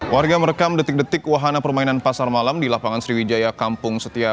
warga merekam detik detik wahana permainan pasar malam di lapangan sriwijaya kampung setia